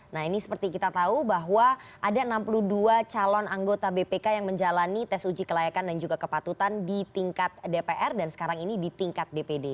nah ini seperti kita tahu bahwa ada enam puluh dua calon anggota bpk yang menjalani tes uji kelayakan dan juga kepatutan di tingkat dpr dan sekarang ini di tingkat dpd